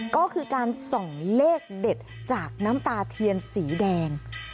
ก็คือการส่องเลขเด็ดจากน้ำตาเทียนสีแดง